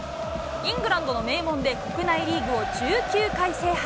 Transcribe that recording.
イングランドの名門で、国内リーグを１９回制覇。